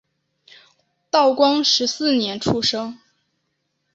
道光十四年出生。